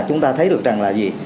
chúng ta thấy được rằng là gì